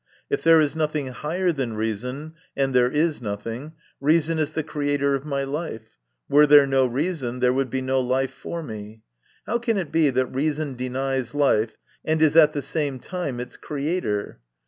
If there is nothing higher than reason (and there is nothing), reason is the creator of my life ; were there no reason, there would be no life for me. How can it be that reason denies life, and is at the same time its creator?